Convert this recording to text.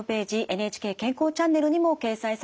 「ＮＨＫ健康チャンネル」にも掲載されます。